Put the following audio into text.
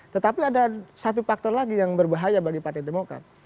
tetapi ada satu faktor lagi yang berbahaya bagi partai demokrat